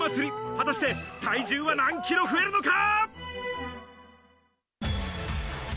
果たして体重は何キロ増えるのか。